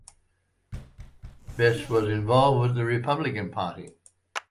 Best was involved with the Republican Party.